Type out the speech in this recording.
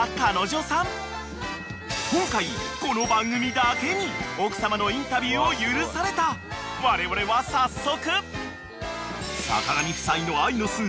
［今回この番組だけに奥様のインタビューを許されたわれわれは早速］